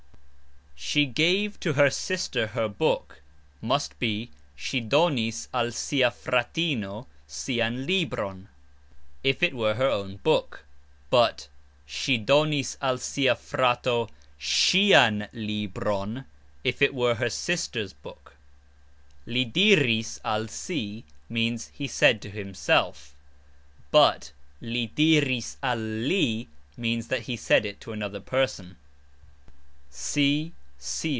"She gave to her sister her book" must be "Sxi donis al sia fratino sian libron" if it were her own book, but "Sxi donis al sia fratino sxian libron" if it were her sister's book. "Li diris al si"... means "He said to himself," but "Li diris al li" means that he said it to another person.